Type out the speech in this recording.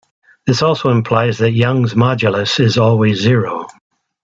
This also implies that Young's modulus is always zero.